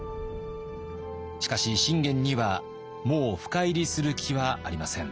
しかし信玄にはもう深入りする気はありません。